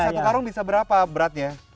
satu karung bisa berapa beratnya